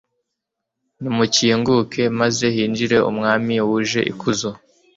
nimukinguke, maze hinjire umwami wuje ikuzo